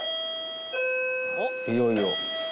いよいよ。